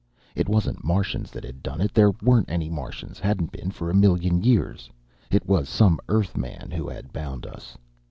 It wasn't Martians that had done it. There weren't any Martians, hadn't been for a million years. It was some Earthman who had bound us.